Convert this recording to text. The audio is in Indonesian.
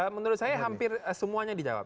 menurut saya hampir semuanya dijawab